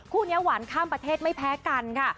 คู่นี้หวานข้ามประเทศไม่แพ้กันค่ะ